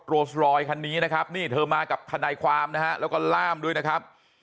โรสลอยคันนี้นะครับนี่เธอมากับทนายความนะฮะแล้วก็ล่ามด้วยนะครับ